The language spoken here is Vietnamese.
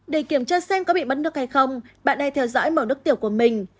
để kiểm tra xem có bị mất nước hay không bạn ai theo dõi màu nước tiểu của mình